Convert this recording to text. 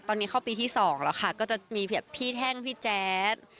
ตอนนี้เข้าปีที่๒แล้วค่ะก็จะมีพี่แท่งพี่แจ๊ด